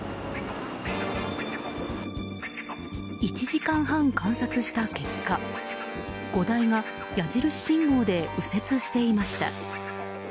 １時間半、観察した結果５台が矢印信号で右折していました。